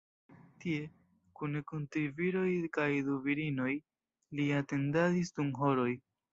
Tie, kune kun tri viroj kaj du virinoj, li atendadis dum horoj.